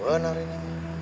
gak benar ini